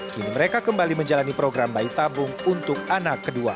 kini mereka kembali menjalani program bayi tabung untuk anak kedua